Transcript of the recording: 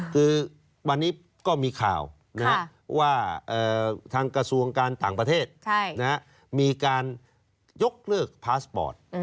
คือวันนี้ก็มีข่าวว่าทางกระทรวงการต่างประเทศมีการยกเลิกพาสปอร์ต